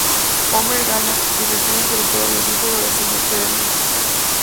Homer gana, y recibe un trofeo y el título de "Señor que Bebe Mucho".